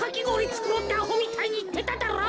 つくろうってアホみたいにいってただろ。